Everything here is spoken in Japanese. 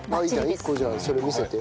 １個じゃあそれ見せて。